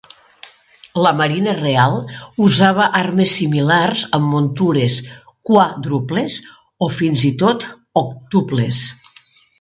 La Marina Real usava armes similars en muntures quàdruples o fins i tot òctuples.